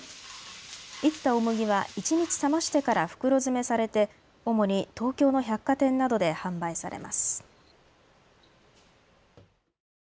いった大麦は一日冷ましてから袋詰めされて主に東京の百貨店などで販売されます。